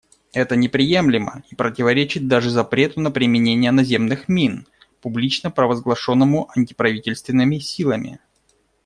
Это неприемлемо и противоречит даже запрету на применение наземных мин, публично провозглашенному антиправительственными силами.